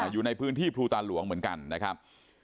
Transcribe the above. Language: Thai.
อยู่ในพื้นที่ภูตาหลวงเหมือนกันนะครับ